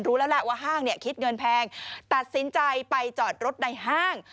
รู้แล้วแหละว่าห้างเนี่ยคิดเงินแพงตัดสินใจไปจอดรถในห้าง